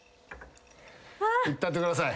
いったってください。